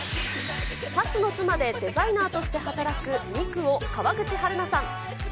龍の妻でデザイナーとして働く美久を川口春奈さん。